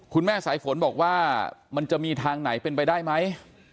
แม่สายฝนบอกว่ามันจะมีทางไหนเป็นไปได้ไหม